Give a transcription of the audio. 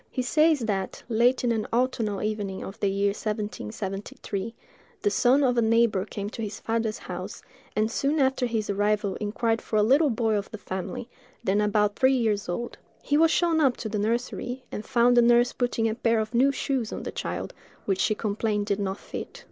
He says that, late in an autumnal evening of the year 1773, the son of a neighbor came to his father's house, and soon after his arrival inquired for a little boy of the family, then about three years old. He was shown up to the nursery, and found the nurse putting a pair of new shoes on the child, which she complained did not fit.